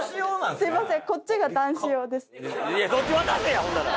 すいません。